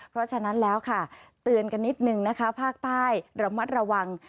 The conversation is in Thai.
เพราะฉะนั้นแล้วค่ะเตือนกันนิดนึงนะคะภาคใต้ระมัดระวัง